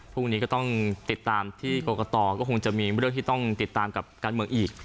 พรุ่งนี้ก็ต้องติดตามที่กรกตก็คงจะมีเรื่องที่ต้องติดตามกับการเมืองอีก